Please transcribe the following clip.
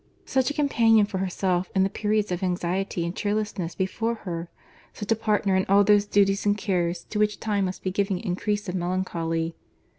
Such a companion for herself in the periods of anxiety and cheerlessness before her!—Such a partner in all those duties and cares to which time must be giving increase of melancholy!